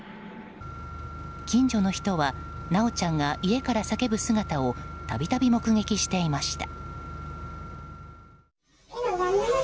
近所の人は修ちゃんが家から叫ぶ姿を度々、目撃していました。